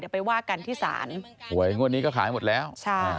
เดี๋ยวไปว่ากันที่ศาลหวยงวดนี้ก็ขายหมดแล้วใช่